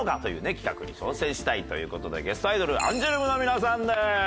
企画に挑戦したいという事でゲストアイドルアンジュルムの皆さんです！